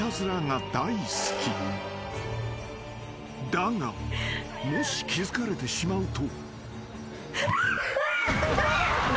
［だがもし気付かれてしまうと］